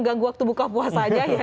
baiklah terima kasih